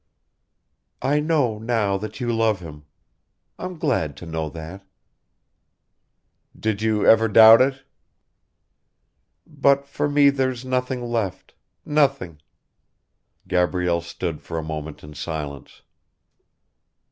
"I know now that you love him. I'm glad to know that." "Did you ever doubt it?" "But for me there's nothing left ... nothing." Gabrielle stood for a moment in silence.